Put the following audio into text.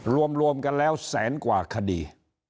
รวมกันแล้วแสนกว่าคดี